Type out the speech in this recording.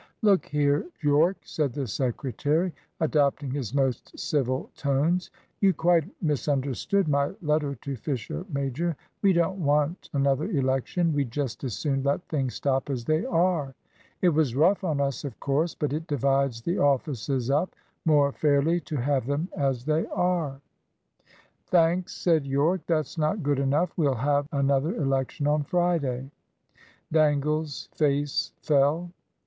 "Look here, Yorke," said the secretary, adopting his most civil tones, "you quite misunderstood my letter to Fisher major. We don't want another election. We'd just as soon let things stop as they are. It was rough on us, of course; but it divides the offices up more fairly to have them as they are." "Thanks," said Yorke, "that's not good enough. We'll have another election on Friday." Dangle's face fell.